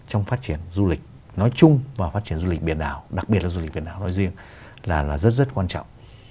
trong phát triển du lịch nói chung và phát triển du lịch biển đảo đặc biệt là du lịch việt nam nói riêng là rất rất quan trọng